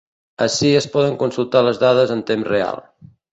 Ací es poden consultar les dades en temps real.